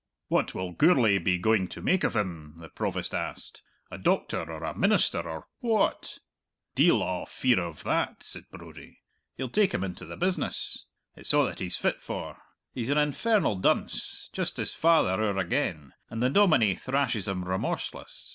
"What will Gourlay be going to make of him?" the Provost asked. "A doctor or a minister or wha at?" "Deil a fear of that," said Brodie; "he'll take him into the business! It's a' that he's fit for. He's an infernal dunce, just his father owre again, and the Dominie thrashes him remorseless!